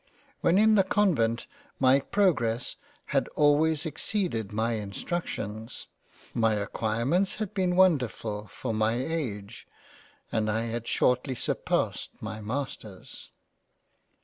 When in the Convent, my progress had always exceeded my instructions, my Acquirements had been wonderfull for my age, and I had shortly surpassed my Masters.